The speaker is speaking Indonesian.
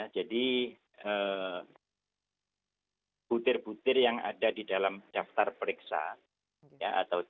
jadi putir putir yang ada di dalam daftar periksa atau checklist itu sudah dipenuhi atau belum